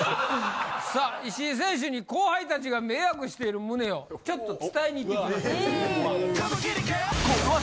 さあ石井選手に後輩たちが迷惑してる旨をちょっと伝えに行ってきました。